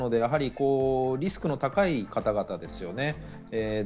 リスクの高い方々ですね。